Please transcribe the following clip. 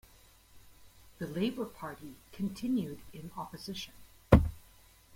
The Labour Party continued in Opposition.